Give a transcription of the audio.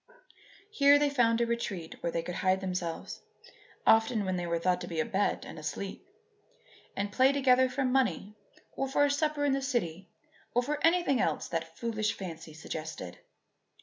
Here they found a retreat where they could hide themselves (often when they were thought to be abed and asleep) and play together for money or for a supper in the city or for anything else that foolish fancy suggested.